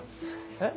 えっ？